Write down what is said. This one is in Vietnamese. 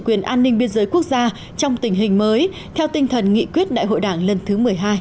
quyền an ninh biên giới quốc gia trong tình hình mới theo tinh thần nghị quyết đại hội đảng lần thứ một mươi hai